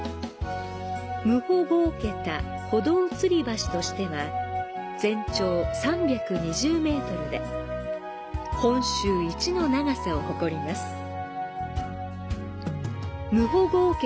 無補剛桁歩道吊橋としては、全長３２０ｍで本州一の長さを誇ります。